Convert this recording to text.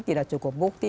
tidak cukup bukti